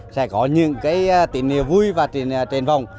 sẽ có những tỉnh hiệu vui và trền vọng